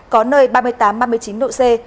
có nơi ba mươi tám ba mươi chín độ c